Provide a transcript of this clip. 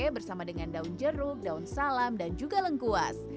bersama dengan daun jeruk daun salam dan juga lengkuas